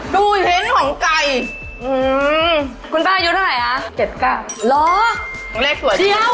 เร็กปื่น